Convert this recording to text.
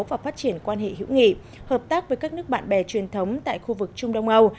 và phát triển quan hệ hữu nghị hợp tác với các nước bạn bè truyền thống tại khu vực trung đông âu